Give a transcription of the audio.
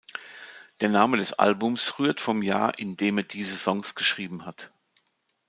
Der Name des Albums rührt vom Jahr, in dem er diese Songs geschrieben hat.